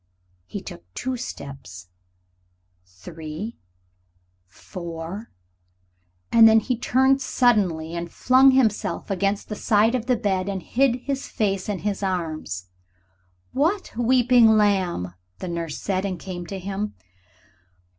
He took two steps, three, four and then he turned suddenly and flung himself against the side of the bed and hid his face in his arms. "What, weeping, my lamb?" the nurse said, and came to him.